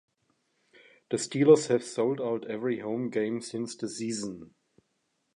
The Steelers have sold out every home game since the season.